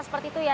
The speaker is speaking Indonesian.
seperti itu ya